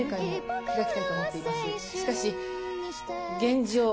しかし現状